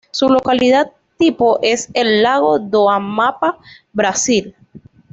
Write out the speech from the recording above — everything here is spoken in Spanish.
Su localidad tipo es el lago do Amapá, Brasil.